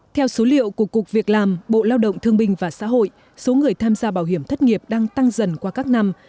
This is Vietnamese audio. theo số liệu của cục việc làm bộ lao động thương binh và xã hội số người tham gia bảo hiểm thất nghiệp đang tăng dần qua các năm